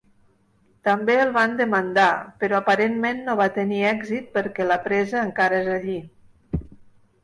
També el van demandar, però aparentment no va tenir èxit perquè la presa encara és allí.